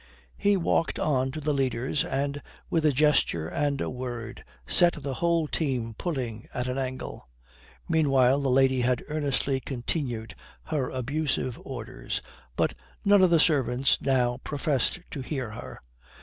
He walked on to the leaders and, with a gesture and a word, set the whole team pulling at an angle. Meanwhile the lady had earnestly continued her abusive orders, but none of the servants now professed to heed her.